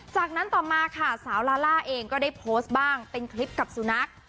จากนั้นต่อมาค่ะสาวลาล่าเองก็ได้โพสต์บ้างเป็นคลิปกับสุนัข